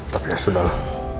tapi ya sudah